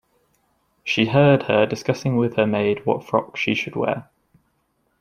She heard her discussing with her maid what frock she should wear.